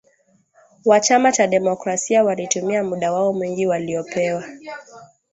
Wa chama cha demokrasia walitumia muda wao mwingi waliopewa